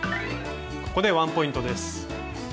ここでワンポイントです。